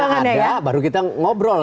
kalau nanti koalisinya ada baru kita ngobrol